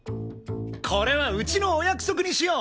これはうちのお約束にしよう。